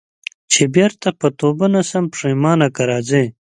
چي بیرته پر توبه نه سم پښېمانه که راځې